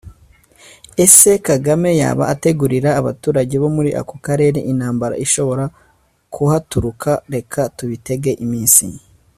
Ese Kagame yaba ategurira abaturage bo muri ako karere intambara ishobora kuhaturuka reka tubitege iminsi